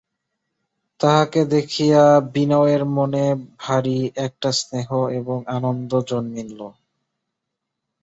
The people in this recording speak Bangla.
তাহাকে দেখিয়া বিনয়ের মনে ভারি একটা স্নেহ এবং আনন্দ জন্মিল।